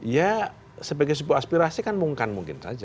ya sebagai sebuah aspirasi kan mungkin saja